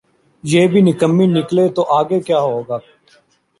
یہ بھی نکمیّ نکلے تو آگے ہوگاکیا؟